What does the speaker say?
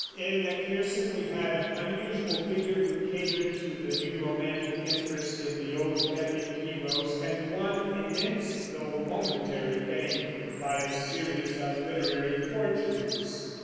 In Macpherson we have an unusual figure, who catered to the new romantic interest in the old epic heroes, and won immense though momentary fame, by a series of literary forgeries.